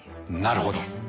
なるほど。